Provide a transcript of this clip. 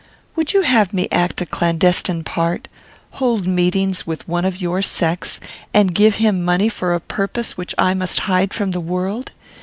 "Would you have me act a clandestine part? Hold meetings with one of your sex, and give him money for a purpose which I must hide from the world?